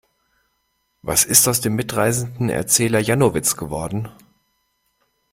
Was ist aus dem mitreißenden Erzähler Janowitz geworden?